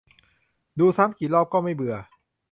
ดูซ้ำกี่รอบก็ไม่เบื่อ